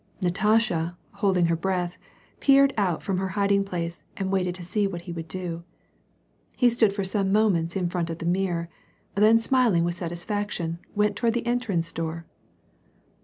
Natasha, holding her breath, peered out from her hiding place and waited to see what he would do. He stood for some moments in front of the mirror ; then smiling with satisfaction, went toward the entrance door.